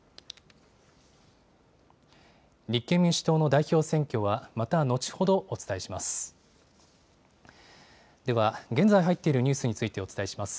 立憲民主党の代表選挙はまた後ほどお伝えします。